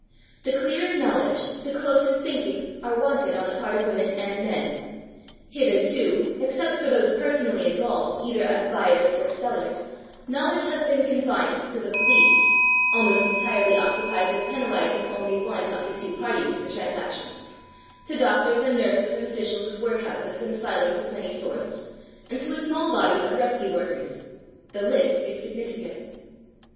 The clearest knowledge, the closest thinking, are wanted on the part of women and men; hitherto, except for those personally involved either as buyers or sellers, knowledge has been confined to the police (almost entirely occupied with penalising one only of the two parties to the transactions), to doctors and nurses and officials of workhouses and asylums of many sorts, and to a small body of rescue workers. The list is significant.